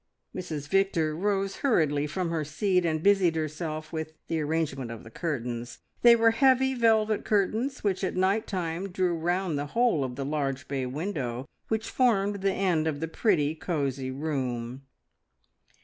Mrs Victor rose hurriedly from her seat, and busied herself with the arrangement of the curtains. They were heavy velvet curtains, which at night time drew round the whole of the large bay window which formed the end of the pretty, cosy room.